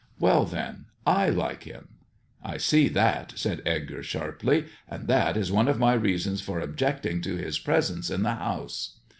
" Well, then, I like him." "I see that," said Edgar sharply, "and that is one of my reasons for objecting to his presence in the house."